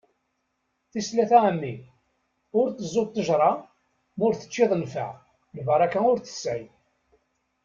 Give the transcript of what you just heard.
Tis tlata a mmi! Ur tteẓẓu ṭejra ma ur teččiḍ nfeɛ, lbaraka ur t-tesɛi.